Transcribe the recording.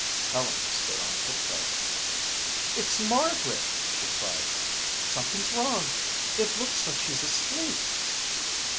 Helen stood on tip toe. "It's Margaret," she cried. "Something's wrong. It looks like she's asleep."